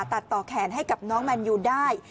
ตัดต่อแขนให้กับน้องแมนยูได้